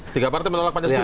tiga partai menolak pancasila